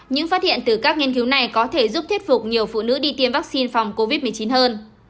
những phát hiện từ các nghiên cứu này có thể giúp thuyết phục nhiều phụ nữ đi tiêm vaccine phòng covid một mươi chín hơn